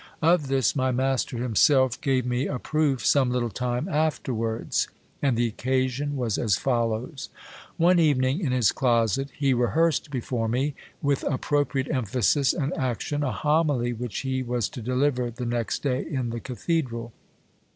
Of this my master himself gave me a proof some little time afterwards : and the occasion was as follows :— One evening in his closet he rehearsed before me, with appropriate emphasis and action, a homily which he was to deliver the next day in the cathedral.